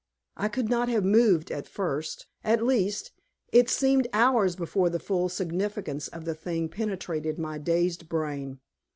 I could not have moved at first; at least, it seemed hours before the full significance of the thing penetrated my dazed brain.